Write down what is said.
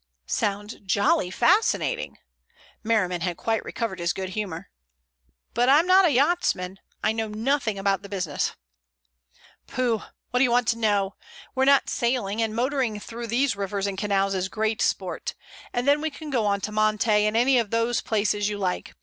"Sounds jolly fascinating." Merriman had quite recovered his good humor. "But I'm not a yachtsman. I know nothing about the business." "Pooh! What do you want to know? We're not sailing, and motoring through these rivers and canals is great sport. And then we can go on to Monte and any of those places you like.